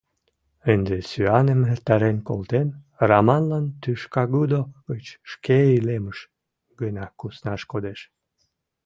Ынде сӱаным эртарен колтен, Раманлан тӱшкагудо гыч шке илемыш гына куснаш кодеш.